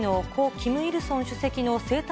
・キム・イルソン主席の生誕